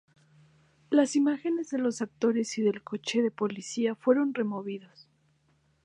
Las imágenes de los actores y del coche de policía fueron removidos.